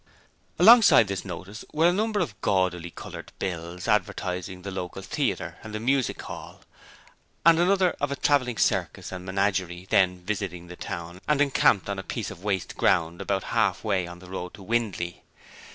Alongside this notice were a number of gaudily coloured bills advertising the local theatre and the music hall, and another of a travelling circus and menagerie, then visiting the town and encamped on a piece of waste ground about half way on the road to Windley.